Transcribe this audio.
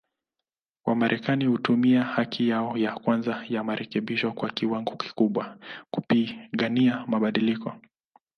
Wamarekani hutumia haki yao ya kwanza ya marekebisho kwa kiwango kikubwa, kupigania mabadiliko.